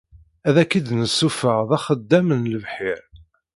Ad k-id-nessufeɣ d axeddam n lebḥer.